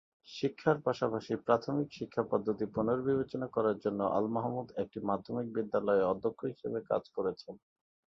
শিক্ষার পাশাপাশি, প্রাথমিক শিক্ষা পদ্ধতি পুনর্বিবেচনা করার জন্য আল-মাহমুদ একটি মাধ্যমিক বিদ্যালয়ে অধ্যক্ষ হিসেবে কাজ করেছেন।